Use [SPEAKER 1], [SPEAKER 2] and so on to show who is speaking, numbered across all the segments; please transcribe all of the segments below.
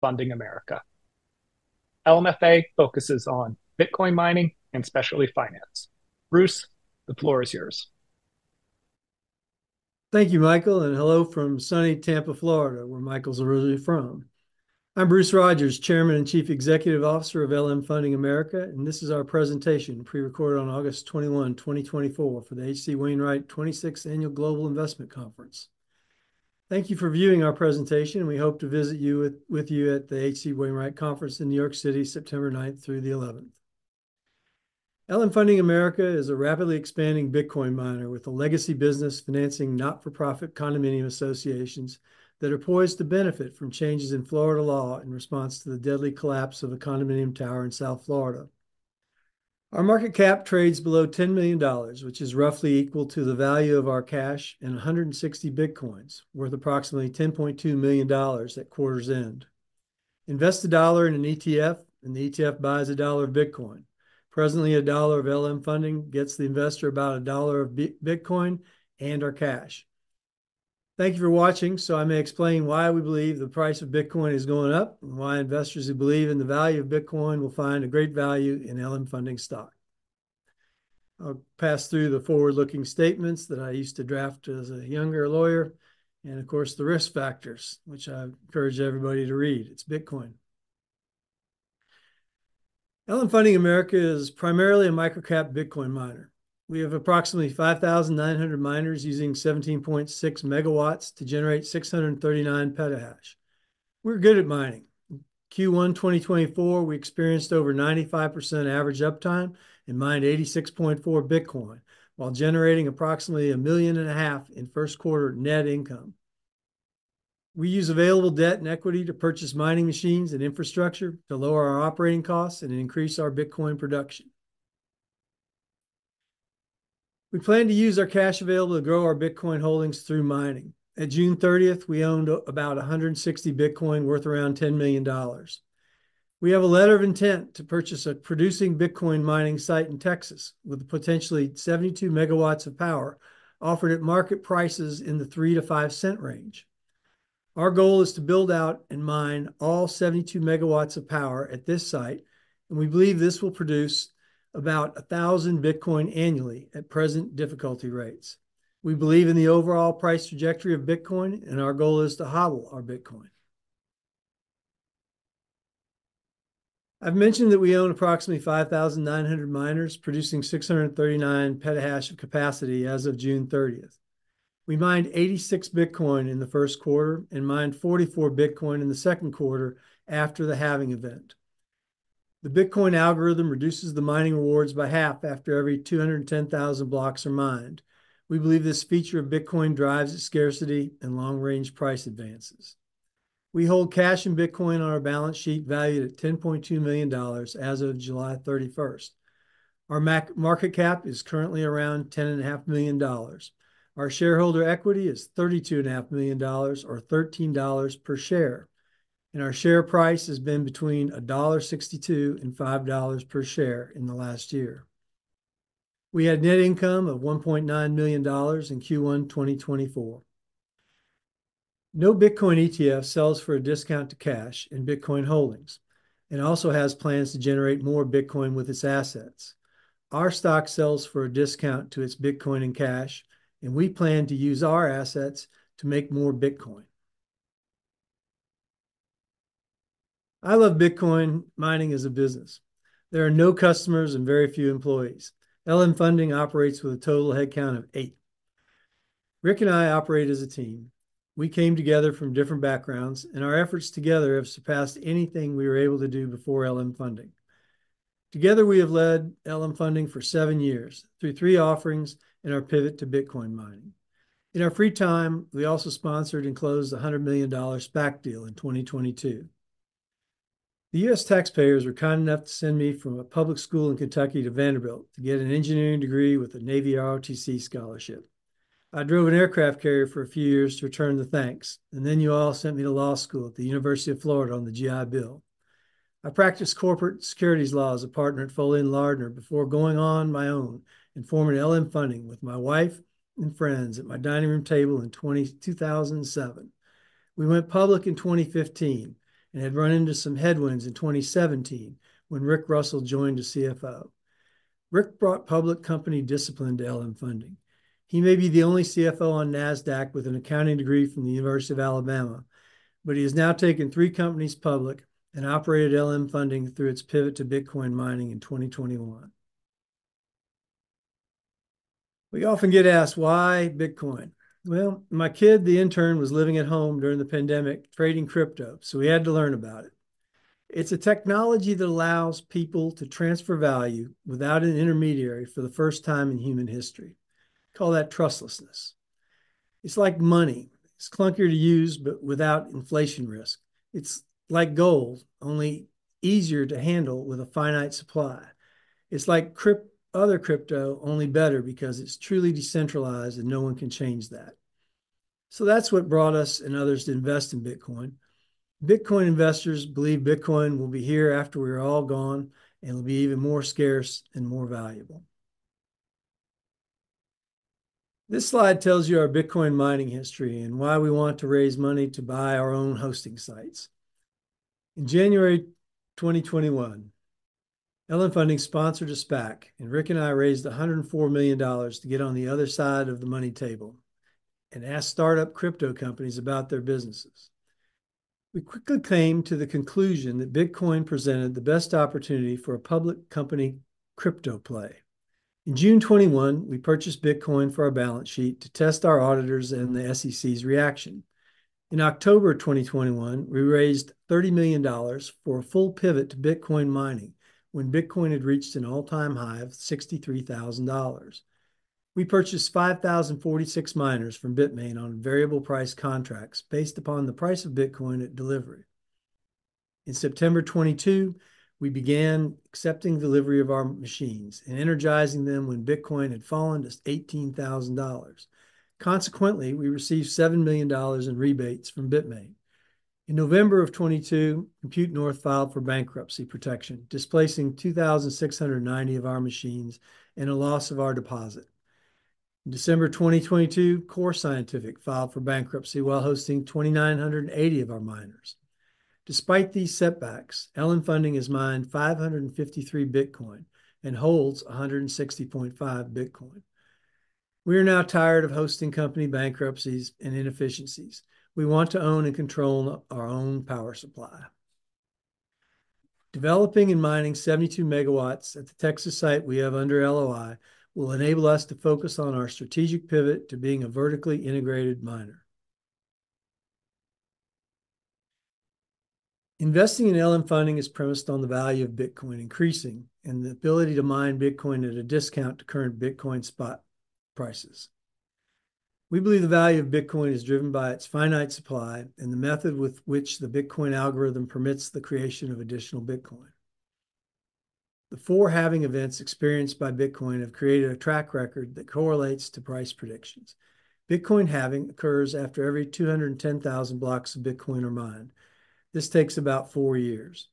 [SPEAKER 1] Funding America. LMFA focuses on Bitcoin mining and specialty finance. Bruce, the floor is yours.
[SPEAKER 2] Thank you, Michael, and hello from sunny Tampa, Florida, where Michael's originally from. I'm Bruce Rodgers, Chairman and Chief Executive Officer of LM Funding America, and this is our presentation, pre-recorded on August 21, 2024 for the H.C. Wainwright 26th Annual Global Investment Conference. Thank you for viewing our presentation, and we hope to visit with you at the H.C. Wainwright Conference in New York City, September 9 through the 11th. LM Funding America is a rapidly expanding Bitcoin miner with a legacy business financing not-for-profit condominium associations that are poised to benefit from changes in Florida law in response to the deadly collapse of a condominium tower in South Florida. Our market cap trades below $10 million, which is roughly equal to the value of our cash and 160 Bitcoins, worth approximately $10.2 million at quarter's end. Invest $1 in an ETF, and the ETF buys $1 of Bitcoin. Presently, $1 of LM Funding gets the investor about $1 of Bitcoin and our cash. Thank you for watching, so I may explain why we believe the price of Bitcoin is going up and why investors who believe in the value of Bitcoin will find a great value in LM Funding stock. I'll pass through the forward-looking statements that I used to draft as a younger lawyer and, of course, the risk factors, which I encourage everybody to read. It's Bitcoin. LM Funding America is primarily a microcap Bitcoin miner. We have approximately 5,900 miners using 17.6 megawatts to generate 639 petahash. We're good at mining. Q1 2024, we experienced over 95% average uptime and mined 86.4 Bitcoin, while generating approximately $1.5 million in first quarter net income. We use available debt and equity to purchase mining machines and infrastructure to lower our operating costs and increase our Bitcoin production. We plan to use our cash available to grow our Bitcoin holdings through mining. At June thirtieth, we owned about 160 Bitcoin, worth around $10 million. We have a letter of intent to purchase a producing Bitcoin mining site in Texas, with potentially 72 megawatts of power offered at market prices in the 3-5 cent range. Our goal is to build out and mine all 72 megawatts of power at this site, and we believe this will produce about 1,000 Bitcoin annually at present difficulty rates. We believe in the overall price trajectory of Bitcoin, and our goal is to HODL our Bitcoin. I've mentioned that we own approximately 5,900 miners, producing 639 petahash of capacity as of June thirtieth. We mined 86 Bitcoin in the first quarter and mined 44 Bitcoin in the second quarter after the halving event. The Bitcoin algorithm reduces the mining rewards by half after every 210,000 blocks are mined. We believe this feature of Bitcoin drives its scarcity and long-range price advances. We hold cash and Bitcoin on our balance sheet, valued at $10.2 million as of July thirty-first. Our market cap is currently around $10.5 million. Our shareholder equity is $32.5 million, or $13 per share, and our share price has been between $1.62 and $5 per share in the last year. We had net income of $1.9 million in Q1 2024. No Bitcoin ETF sells for a discount to cash in Bitcoin holdings and also has plans to generate more Bitcoin with its assets. Our stock sells for a discount to its Bitcoin and cash, and we plan to use our assets to make more Bitcoin. I love Bitcoin mining as a business. There are no customers and very few employees. LM Funding operates with a total headcount of eight. Rick and I operate as a team. We came together from different backgrounds, and our efforts together have surpassed anything we were able to do before LM Funding. Together, we have led LM Funding for seven years, through three offerings and our pivot to Bitcoin mining. In our free time, we also sponsored and closed a $100 million SPAC deal in 2022. The U.S. taxpayers were kind enough to send me from a public school in Kentucky to Vanderbilt to get an engineering degree with a Navy ROTC scholarship. I drove an aircraft carrier for a few years to return the thanks, and then you all sent me to law school at the University of Florida on the GI Bill. I practiced corporate securities law as a partner at Foley & Lardner before going on my own and forming LM Funding with my wife and friends at my dining room table in 2007. We went public in twenty fifteen and had run into some headwinds in twenty seventeen, when Rick Russell joined as CFO. Rick brought public company discipline to LM Funding. He may be the only CFO on NASDAQ with an accounting degree from the University of Alabama, but he has now taken three companies public and operated LM Funding through its pivot to Bitcoin mining in twenty twenty-one. We often get asked, "Why Bitcoin?" Well, my kid, the intern, was living at home during the pandemic, trading crypto, so we had to learn about it. It's a technology that allows people to transfer value without an intermediary for the first time in human history. Call that trustlessness. It's like money. It's clunkier to use, but without inflation risk. It's like gold, only easier to handle with a finite supply. It's like other crypto, only better because it's truly decentralized and no one can change that. So that's what brought us and others to invest in Bitcoin. Bitcoin investors believe Bitcoin will be here after we're all gone, and it'll be even more scarce and more valuable.... This slide tells you our Bitcoin mining history and why we want to raise money to buy our own hosting sites. In January twenty twenty-one, LM Funding sponsored a SPAC, and Rick and I raised $104 million to get on the other side of the money table and ask startup crypto companies about their businesses. We quickly came to the conclusion that Bitcoin presented the best opportunity for a public company crypto play. In June twenty twenty-one, we purchased Bitcoin for our balance sheet to test our auditors and the SEC's reaction. In October 2021, we raised $30 million for a full pivot to Bitcoin mining, when Bitcoin had reached an all-time high of $63,000. We purchased 5,046 miners from Bitmain on variable price contracts based upon the price of Bitcoin at delivery. In September 2022, we began accepting delivery of our machines and energizing them when Bitcoin had fallen to $18,000. Consequently, we received $7 million in rebates from Bitmain. In November 2022, Compute North filed for bankruptcy protection, displacing 2,690 of our machines and a loss of our deposit. In December 2022, Core Scientific filed for bankruptcy while hosting 2,980 of our miners. Despite these setbacks, LM Funding has mined 553 Bitcoin and holds 160.5 Bitcoin. We are now tired of hosting company bankruptcies and inefficiencies. We want to own and control our own power supply. Developing and mining seventy-two megawatts at the Texas site we have under LOI will enable us to focus on our strategic pivot to being a vertically integrated miner. Investing in LM Funding is premised on the value of Bitcoin increasing and the ability to mine Bitcoin at a discount to current Bitcoin spot prices. We believe the value of Bitcoin is driven by its finite supply and the method with which the Bitcoin algorithm permits the creation of additional Bitcoin. The four halving events experienced by Bitcoin have created a track record that correlates to price predictions. Bitcoin halving occurs after every two hundred and ten thousand blocks of Bitcoin are mined. This takes about four years.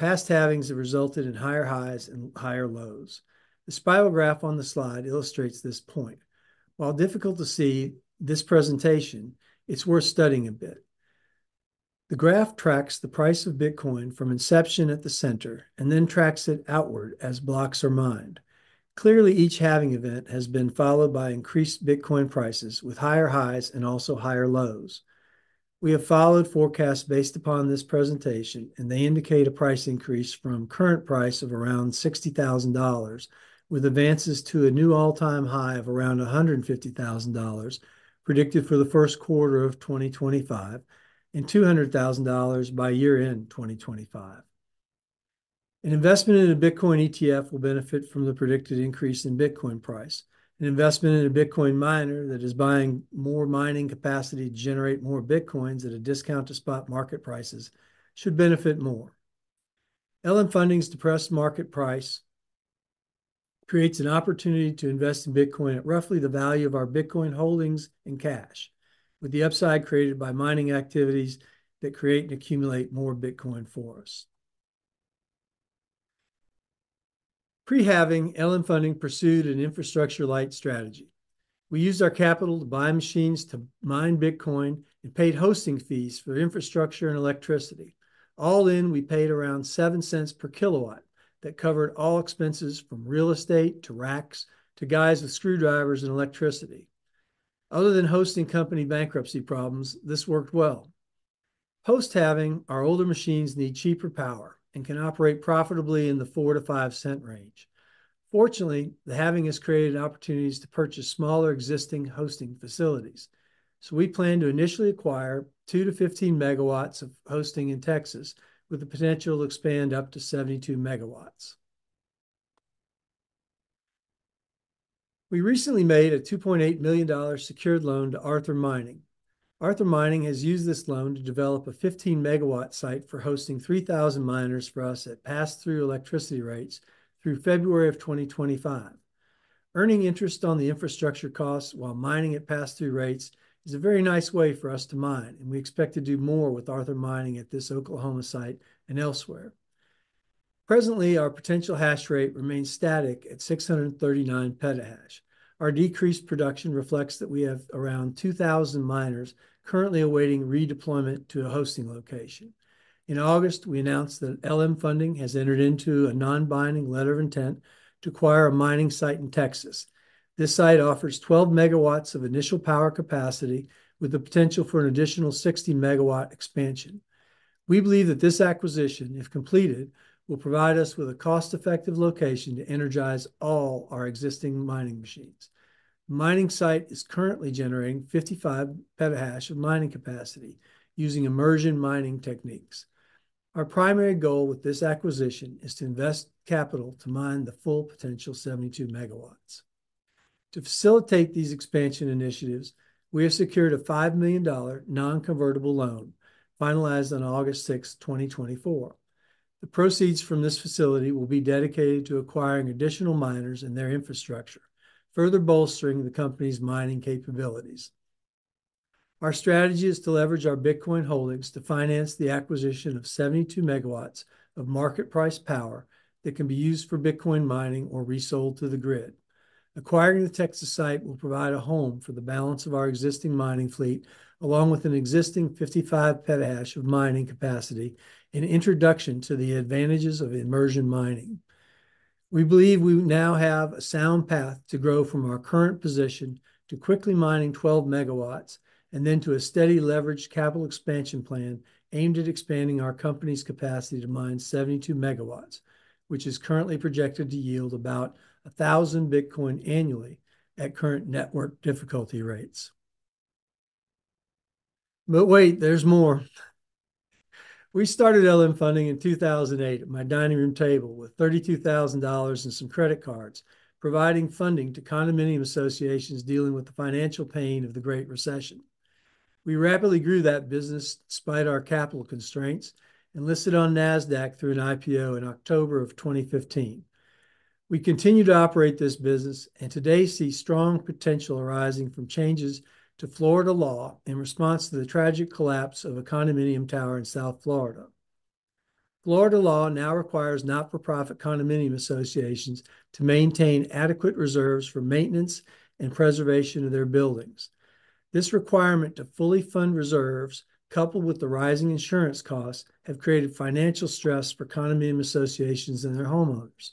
[SPEAKER 2] Past halvings have resulted in higher highs and higher lows. The spiral graph on the slide illustrates this point. While difficult to see this presentation, it's worth studying a bit. The graph tracks the price of Bitcoin from inception at the center and then tracks it outward as blocks are mined. Clearly, each halving event has been followed by increased Bitcoin prices with higher highs and also higher lows. We have followed forecasts based upon this presentation, and they indicate a price increase from current price of around $60,000, with advances to a new all-time high of around $150,000 predicted for the first quarter of twenty twenty-five and $200,000 by year-end twenty twenty-five. An investment in a Bitcoin ETF will benefit from the predicted increase in Bitcoin price. An investment in a Bitcoin miner that is buying more mining capacity to generate more Bitcoins at a discount to spot market prices should benefit more. LM Funding's depressed market price creates an opportunity to invest in Bitcoin at roughly the value of our Bitcoin holdings and cash, with the upside created by mining activities that create and accumulate more Bitcoin for us. Pre-halving, LM Funding pursued an infrastructure-light strategy. We used our capital to buy machines to mine Bitcoin and paid hosting fees for infrastructure and electricity. All in, we paid around $0.07 per kilowatt. That covered all expenses, from real estate, to racks, to guys with screwdrivers and electricity. Other than hosting company bankruptcy problems, this worked well. Post-halving, our older machines need cheaper power and can operate profitably in the $0.04-$0.05 range. Fortunately, the halving has created opportunities to purchase smaller existing hosting facilities, so we plan to initially acquire 2-15 megawatts of hosting in Texas, with the potential to expand up to 72 megawatts. We recently made a $2.8 million secured loan to Arthur Mining. Arthur Mining has used this loan to develop a 15-megawatt site for hosting 3,000 miners for us at pass-through electricity rates through February of 2025. Earning interest on the infrastructure costs while mining at pass-through rates is a very nice way for us to mine, and we expect to do more with Arthur Mining at this Oklahoma site and elsewhere. Presently, our potential hash rate remains static at 639 petahash. Our decreased production reflects that we have around 2,000 miners currently awaiting redeployment to a hosting location. In August, we announced that LM Funding has entered into a non-binding letter of intent to acquire a mining site in Texas. This site offers 12 megawatts of initial power capacity, with the potential for an additional 60-megawatt expansion. We believe that this acquisition, if completed, will provide us with a cost-effective location to energize all our existing mining machines. Mining site is currently generating 55 petahash of mining capacity using immersion mining techniques. Our primary goal with this acquisition is to invest capital to mine the full potential 72 megawatts. To facilitate these expansion initiatives, we have secured a $5 million non-convertible loan, finalized on August sixth, 2024. The proceeds from this facility will be dedicated to acquiring additional miners and their infrastructure, further bolstering the company's mining capabilities. Our strategy is to leverage our Bitcoin holdings to finance the acquisition of 72 megawatts of market price power that can be used for Bitcoin mining or resold to the grid. Acquiring the Texas site will provide a home for the balance of our existing mining fleet, along with an existing 55 petahash of mining capacity, an introduction to the advantages of immersion mining. We believe we now have a sound path to grow from our current position to quickly mining 12 megawatts, and then to a steady leverage capital expansion plan aimed at expanding our company's capacity to mine 72 megawatts, which is currently projected to yield about 1,000 Bitcoin annually at current network difficulty rates. But wait, there's more. We started LM Funding in 2008 at my dining room table with $32,000 and some credit cards, providing funding to condominium associations dealing with the financial pain of the Great Recession. We rapidly grew that business despite our capital constraints, and listed on NASDAQ through an IPO in October of 2015. We continue to operate this business, and today see strong potential arising from changes to Florida law in response to the tragic collapse of a condominium tower in South Florida. Florida law now requires not-for-profit condominium associations to maintain adequate reserves for maintenance and preservation of their buildings. This requirement to fully fund reserves, coupled with the rising insurance costs, have created financial stress for condominium associations and their homeowners.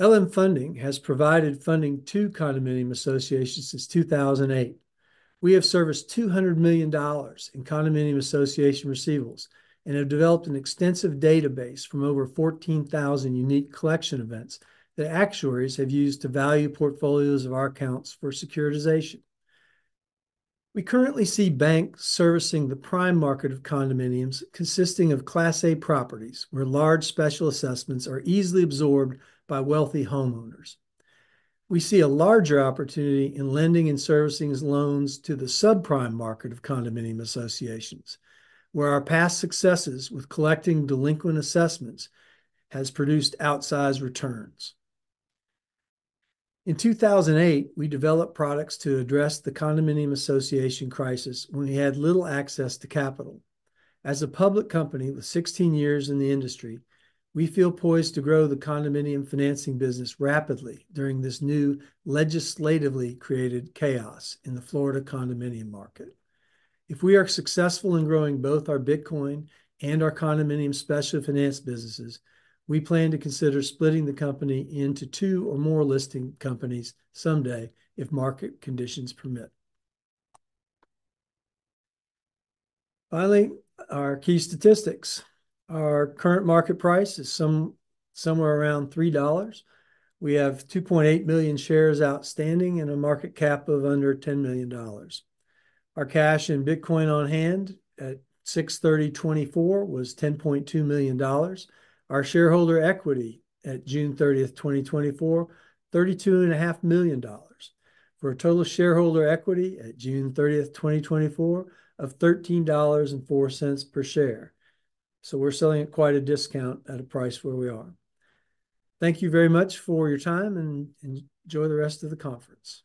[SPEAKER 2] LM Funding has provided funding to condominium associations since 2008. We have serviced $200 million in condominium association receivables and have developed an extensive database from over 14,000 unique collection events that actuaries have used to value portfolios of our accounts for securitization. We currently see banks servicing the prime market of condominiums consisting of Class A properties, where large special assessments are easily absorbed by wealthy homeowners. We see a larger opportunity in lending and servicing loans to the subprime market of condominium associations, where our past successes with collecting delinquent assessments has produced outsized returns. In 2008, we developed products to address the condominium association crisis when we had little access to capital. As a public company with sixteen years in the industry, we feel poised to grow the condominium financing business rapidly during this new legislatively created chaos in the Florida condominium market. If we are successful in growing both our Bitcoin and our condominium special finance businesses, we plan to consider splitting the company into two or more listing companies someday, if market conditions permit. Finally, our key statistics. Our current market price is somewhere around $3. We have 2.8 million shares outstanding and a market cap of under $10 million. Our cash in Bitcoin on hand at June 30, 2024 was $10.2 million. Our shareholder equity at June 30, 2024, $32.5 million, for a total shareholder equity at June 30, 2024, of $13.04 per share. So we're selling at quite a discount at a price where we are. Thank you very much for your time, and, and enjoy the rest of the conference.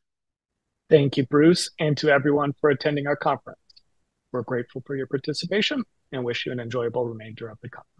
[SPEAKER 1] Thank you, Bruce, and to everyone for attending our conference. We're grateful for your participation and wish you an enjoyable remainder of the conference.